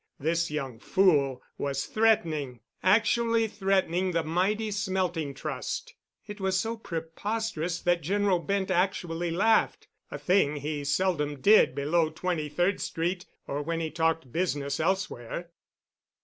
This young fool was threatening—actually threatening the mighty Smelting Trust. It was so preposterous that General Bent actually laughed—a thing he seldom did below Twenty third Street or when he talked business elsewhere.